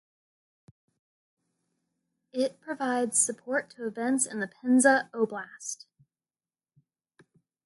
It provides support to events in the Penza Oblast.